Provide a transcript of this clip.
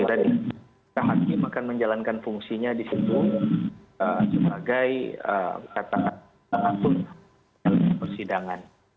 tadi hakim akan menjalankan fungsinya disitu sebagai perhatian akun dalam persidangan